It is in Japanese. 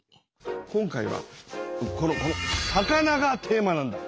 今回はこのこの「魚」がテーマなんだ。